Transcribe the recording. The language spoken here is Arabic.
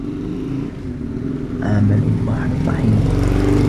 عمل البحر طحينة